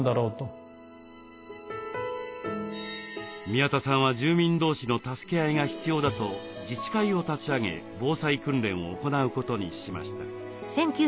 宮田さんは住民同士の助け合いが必要だと自治会を立ち上げ防災訓練を行うことにしました。